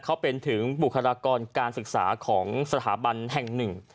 เขาเป็นถึงบุคลากรการศึกษาของสถาบันแห่งหนึ่ง